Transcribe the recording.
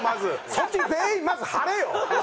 そっち全員まず張れよ！